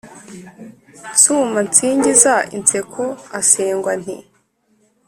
Nsuma nsingiza inseko asengwa Nti